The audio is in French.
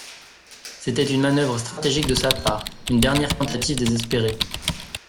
C'était une manoeuvre stratégique de sa part une dernière tentative désespérée.